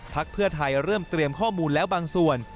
เพื่อไทยเริ่มเตรียมข้อมูลแล้วบางส่วน